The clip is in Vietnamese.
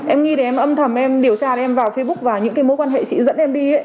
em nghĩ thì em âm thầm em điều tra em vào facebook và những cái mối quan hệ chị dẫn em đi